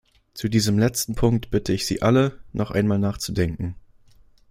Zu diesem letzten Punkt bitte ich Sie alle, noch einmal nachzudenken.